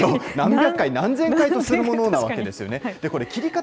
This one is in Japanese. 何百回、何千回とするものなわけですよね。